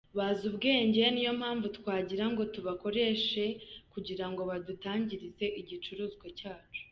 Bazi ubwenge niyo mpamvu twagira ngo tubakoreshe kugira ngo badutangirize igicuruzwa cyacu.